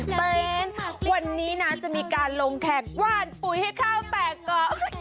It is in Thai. เต้นวันนี้นะจะมีการลงแขกว่านปุ๋ยให้ข้าวแตกก่อน